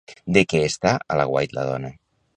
De què està a l'aguait la dona?